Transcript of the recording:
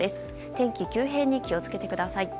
天気急変に気を付けてください。